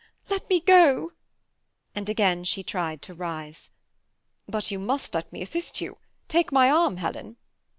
Let me go " and again she tried to rise. ''But 70U must let me assist 70U: take m7 arm, Helen."